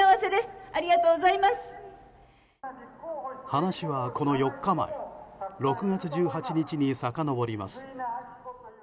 話は、この４日前６月１８日にさかのぼります。